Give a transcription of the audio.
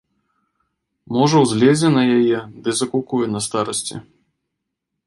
Можа, узлезе на яе ды закукуе на старасці.